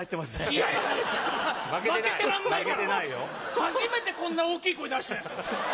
初めてこんな大きい声出したよ。